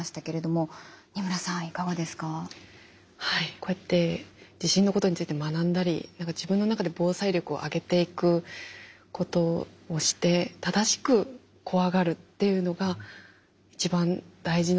こうやって地震のことについて学んだり自分の中で防災力を上げていくことをして正しく怖がるっていうのが一番大事なのかな。